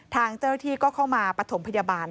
ทางเจ้าหน้าที่ก็เข้ามาปฐมพยาบาล